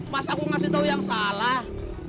masa aku ngasih tau yang salah